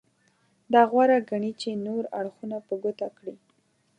دا غوره ګڼي چې نور اړخونه په ګوته کړي.